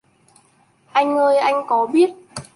Anh ơi anh có biết